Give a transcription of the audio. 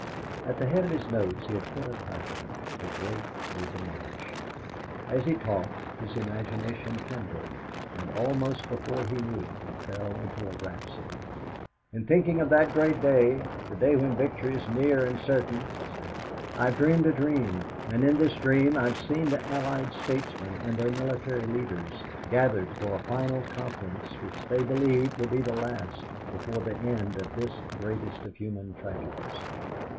At the head of his notes he had put a title, "The Great Revenge." As he talked his imagination kindled, and almost before he knew it he fell into a rhapsody: "In thinking of that great day the day when victory is near and certain," he said, "I have dreamed a dream, and in this dream I have seen the Allied statesmen and their military leaders gathered for a final conference which they believed will be the last before the end of this greatest of human tragedies.